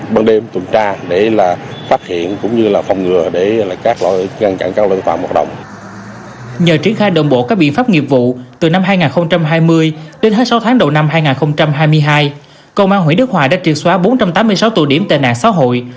đến hết sáu tháng đầu năm hai nghìn hai mươi hai công an huyện đức hòa đã triệt xóa bốn trăm tám mươi sáu tù điểm tệ nạn xã hội